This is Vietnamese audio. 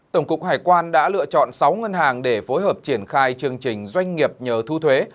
tổng cục hải quan đã lựa chọn sáu ngân hàng để phối hợp triển khai chương trình doanh nghiệp nhờ thu thuế